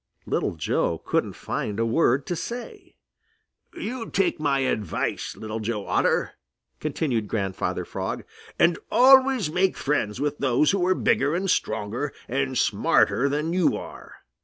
Little Joe couldn't find a word to say. "You take my advice, Little Joe Otter," continued Grandfather Frog, "and always make friends with those who are bigger and stronger and smarter than you are.